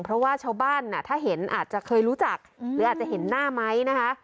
เพราะว่าชาวบ้านถ้าเห็นอาจจะเคยรู้จักหรืออาจจะเห็นหน้าไหมนะคะ